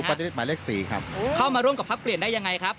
อยู่ปาร์ตี้ลิสต์หมายเลขสี่ครับเข้ามาร่วมกับภาพเปลี่ยนได้ยังไงครับ